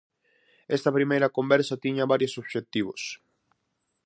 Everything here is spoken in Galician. Esta primeira conversa tiña varios obxectivos.